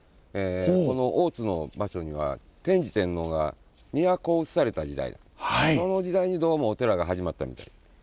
この大津の場所には天智天皇が都を移された時代その時代にどうもお寺が始まったみたい。